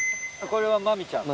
これはマミちゃん。